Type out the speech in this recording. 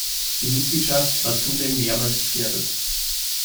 Die Mitgliedschaft war zudem mehrmals gefährdet.